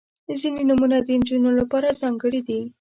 • ځینې نومونه د نجونو لپاره ځانګړي دي.